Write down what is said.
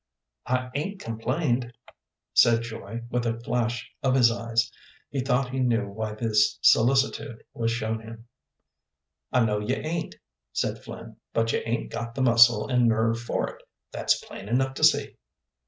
"I 'ain't complained," said Joy, with a flash of his eyes. He thought he knew why this solicitude was shown him. "I know you 'ain't," said Flynn, "but you 'ain't got the muscle and nerve for it. That's plain enough to see."